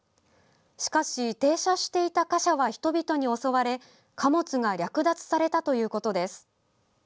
しかし、停車していた貨車は人々に襲われ貨物が略奪されたということです。